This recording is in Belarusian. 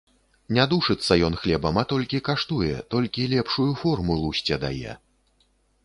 Не душыцца ён хлебам, а толькі каштуе, толькі лепшую форму лусце дае.